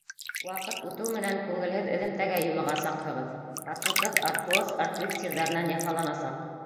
Ваҡыт үтеү менән күңелһеҙ эҙемтәгә юлығасаҡһығыҙ — ҡатын-ҡыҙ артроз, артрит сирҙәренән яфаланасаҡ.